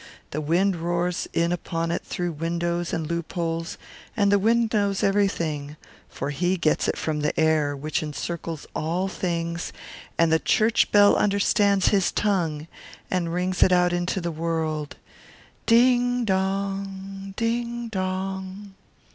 The wind roars in upon it through windows and loopholes; and the wind knows everything, for he gets it from the air, which encircles all things, and the church bell understands his tongue, and rings it out into the world, 'Ding dong! ding dong!'